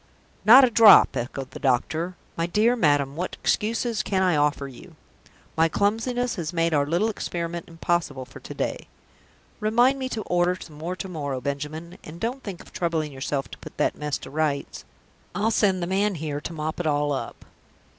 "Not a drop!" echoed the doctor. "My dear madam, what excuses can I offer you? My clumsiness has made our little experiment impossible for to day. Remind me to order some more to morrow, Benjamin, and don't think of troubling yourself to put that mess to rights. I'll send the man here to mop it all up.